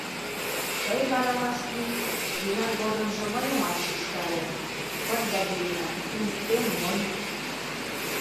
Тый вара, Васли, йӧнан годымжо мыйымат шижтаре — пырля йӱына, туныктем монь...